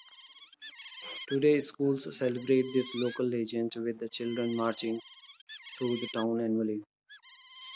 Today schools celebrate this local legend with children marching through town annually.